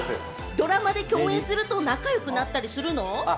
ドラマで共演すると仲良くなったりするの？